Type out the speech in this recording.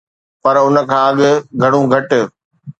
پر ان کان اڳ گهڻو گهٽ